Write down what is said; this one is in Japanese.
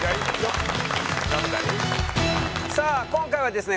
さあ今回はですね